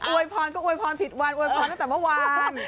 วยพรก็อวยพรผิดวันอวยพรตั้งแต่เมื่อวาน